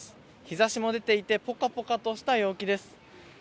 日ざしも出ていて、ぽかぽかとした陽気です。